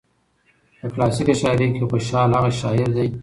په کلاسيکه شاعرۍ کې خوشال هغه شاعر دى